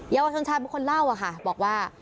เยาวชนชายเป็นคนเล่าอะค่ะบอกว่า